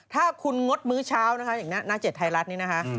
ถ้าหนักมือเช้าในหน้าเจ็ดไทยรัฐนี้นะคะ